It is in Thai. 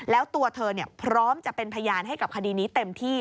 แล้วตัวเธอพร้อมจะเป็นพยานให้กับคดีนี้เต็มที่